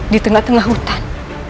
di tengah tengah hutan